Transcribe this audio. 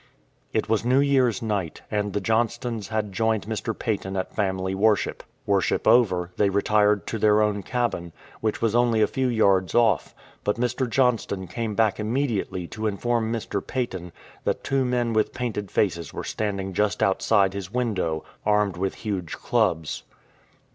It was New Year'*s night, and the Johnstons had joined Mr. Paton at family worship. Worship over, they retired to their own cabin, which was only a few yards off; but Mr. Johnston came back immediately to inform Mr. Paton that two men with painted faces were standing just out side his window armed with huge clubs.